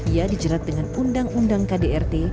ia dijerat dengan undang undang kdrt